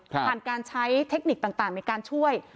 ผ่านการใช้เทคนิคต่างในการช่วย